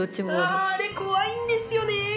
あれ怖いんですよね！